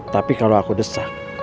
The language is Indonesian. tapi kalau aku desa